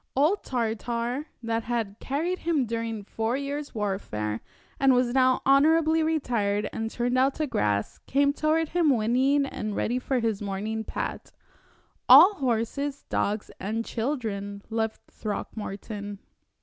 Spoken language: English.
Old Tartar, that had carried him during four years' warfare, and was now honorably retired and turned out to grass, came toward him whinnying and ready for his morning pat all horses, dogs, and children loved Throckmorton.